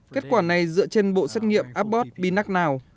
kết quả này dựa trên bộ xét nghiệm abbott pinac nau